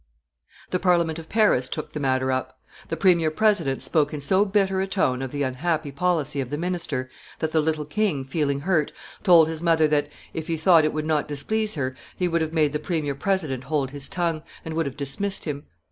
The Parliament of Paris took the matter up. The premier president spoke in so bitter a tone of the unhappy policy of the minister, that the little king, feeling hurt, told his mother that, if he had thought it would not displease her, he would have made the premier president hold his tongue, and would have dismissed him.